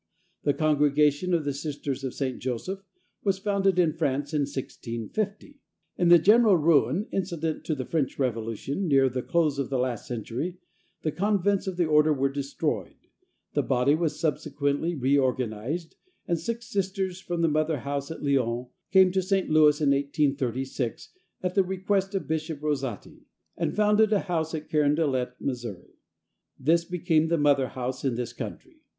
The Congregation of the Sisters of St. Joseph was founded in France, in 1650. In the general ruin incident to the French Revolution, near the close of the last century, the convents of the order were destroyed. The body was subsequently reorganized, and six Sisters from the Mother House at Lyon came to St. Louis in 1836, at the request of Bishop Rosati, and founded a house at Carondelet, Mo. This became the Mother House in this country.